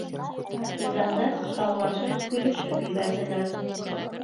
Партизандар шаулашып, көлөшөп ебәрҙеләр.